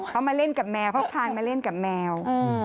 เขามาเล่นกับแมวเขาพานมาเล่นกับแมว